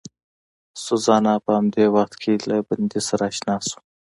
سوزانا په همدې وخت کې له بندي سره اشنا شوه.